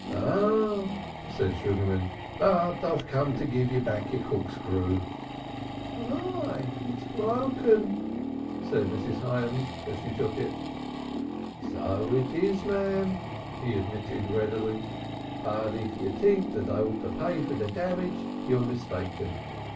"Ah!" said Sugarman. "But I've come to give you back your corkscrew." "Why, it's broken," said Mrs. Hyams, as she took it. "So it is, marm," he admitted readily. "But if you taink dat I ought to pay for de damage you're mistaken.